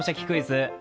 クイズ」